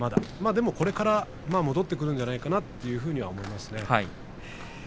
でもこれからまた戻ってくるんじゃないかなと思いますね。